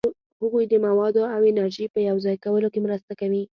هغوی د موادو او انرژي په یوځای کولو کې مرسته کوي.